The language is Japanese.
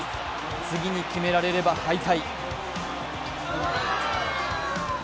次に決められれば敗退。